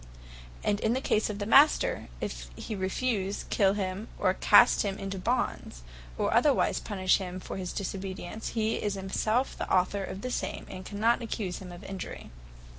And in case the Master, if he refuse, kill him, or cast him into bonds, or otherwise punish him for his disobedience, he is himselfe the author of the same; and cannot accuse him of injury.